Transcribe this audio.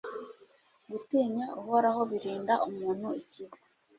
gutinya Uhoraho birinda umuntu ikibi